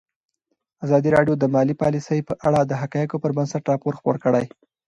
ازادي راډیو د مالي پالیسي په اړه د حقایقو پر بنسټ راپور خپور کړی.